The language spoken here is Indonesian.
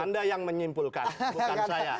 anda yang menyimpulkan bukan saya